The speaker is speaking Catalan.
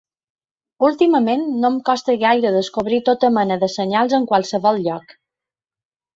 Últimament, no em costa gaire descobrir tota mena de senyals en qualsevol lloc.